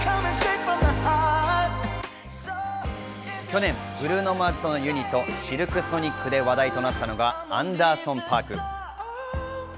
去年、ブルーノ・マーズとのユニット、シルク・ソニックで話題となったのがアンダーソン・パーク。